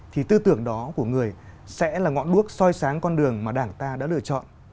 điều đó của người sẽ là ngọn bước soi sáng con đường mà đảng ta đã lựa chọn